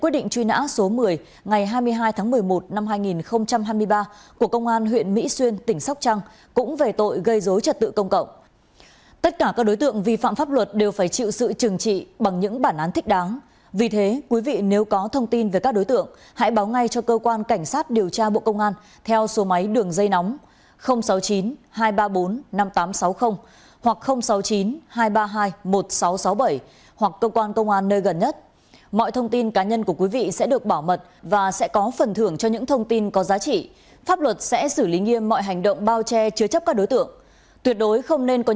do truyền hình công an nhân dân và văn phòng cơ quan cảnh sát điều tra bộ công an phối hợp thực hiện